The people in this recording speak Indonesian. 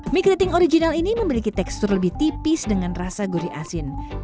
mie keriting original ini memiliki tekstur lebih tipis dengan rasa gurih asin